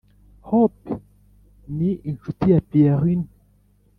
hope ni inshuti ya pierrine